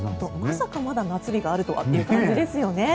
まさかまだ夏日があるとはっていう感じですよね。